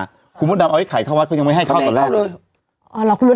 คุณพุทธภาคดำเอาไอ้ไข่เข้าวัดเขายังไม่ให้เข้าตอนแรกเลยอ๋อหรอคุณพุทธภาคดำ